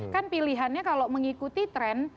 kan pilihannya kalau mengikuti tren